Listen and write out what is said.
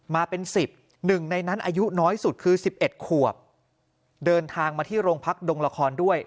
มาเป็น๑๐หนึ่งในนั้นอายุน้อยสุดคือ๑๑ขวบเดินทางมาที่โรงพักดงละครด้วย